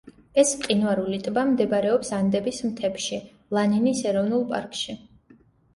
ეს მყინვარული ტბა მდებარეობს ანდების მთებში, ლანინის ეროვნულ პარკში.